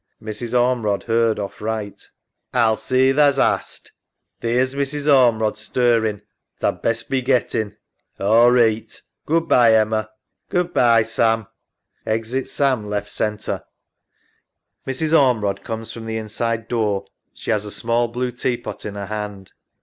[Mrs. Ormerod heard off right. EMMA, A'll see tha's asked. Theer's Mrs. Ormerod stirrin'. Tha'd best be gettin'. SAM. All reeght. Good bye, Emma. EMMA. Good bye, Sam. [Exit Sam left center. Mrs. Ormerod comes from the inside door. She has a small blue tea pot in her hand.